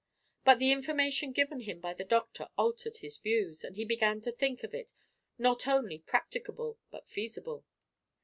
But the information given him by the doctor altered his views, and he began to think it not only practicable, but feasible.